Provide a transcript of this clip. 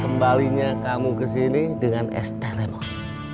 kembalinya kamu kesini dengan es teh lemon